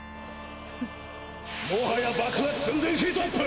もはや爆発寸前ヒートアップ！！